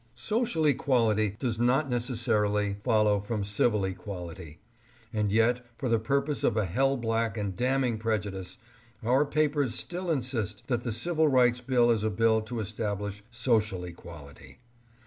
Social equality does not neces sarily follow from civil equality, and yet for the pur pose of a hell black and damning prejudice, our papers still insist that the Civil Rights Bill is a bill to estab lish social equality.